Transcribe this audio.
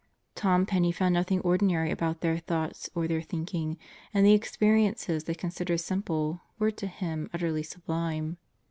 Tom Penney found nothing ordinary about their thoughts or their thinking, and the experiences they considered simple, were to him utterly sublime.